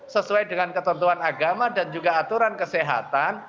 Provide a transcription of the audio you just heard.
sesuai dengan ketentuan agama dan juga aturan kesehatan